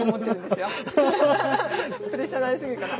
プレッシャーなりすぎるかな？